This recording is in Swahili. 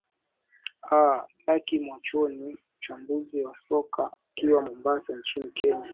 aa laki mwachoni mchambuzi wa soka akiwa mombasa nchini kenya